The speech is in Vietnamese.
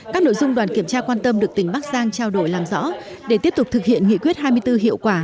các nội dung đoàn kiểm tra quan tâm được tỉnh bắc giang trao đổi làm rõ để tiếp tục thực hiện nghị quyết hai mươi bốn hiệu quả